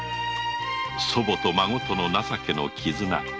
祖母と孫情けの絆。